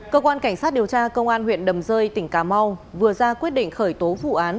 cơ quan cảnh sát điều tra công an huyện đầm rơi tỉnh cà mau vừa ra quyết định khởi tố vụ án